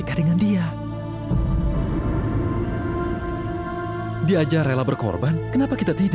ikatan itu plates